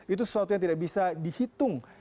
itu sesuatu yang tidak bisa dihitung